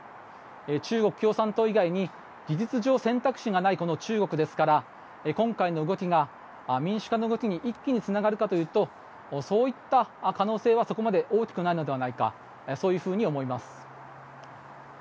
中国共産党以外に事実上選択肢がない中国ですから今回の動きが民主化の動きに一気につながるかというとそういった可能性はそこまで大きくないのではないかそういうふうに思います。